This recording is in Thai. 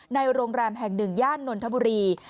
ในโรงแรมแห่ง๑ย่านนนทบุรี